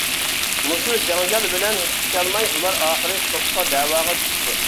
مۇشۇ جاڭجال بىلەن چىقىشالماي ئۇلار ئاخىرى سوتقا دەۋاغا چۈشۈپتۇ.